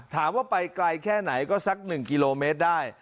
ถามว่าไปไกลแค่ไหนก็สัก๑กิโลเมตรได้